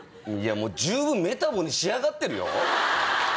十分メタボに仕上がってるよ。